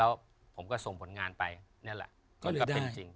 แล้วผมก็ส่งผลงานไปนี่แหละก็เลยได้